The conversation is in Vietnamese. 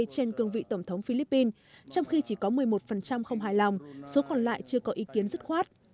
trên cương vị tổng thống philippines trong khi chỉ có một mươi một không hài lòng số còn lại chưa có ý kiến dứt khoát